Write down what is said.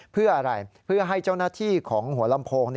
เพื่ออะไรเพื่อให้เจ้าหน้าที่ของหัวลำโพง